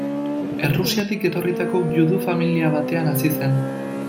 Errusiatik etorritako judu familia batean hazi zen.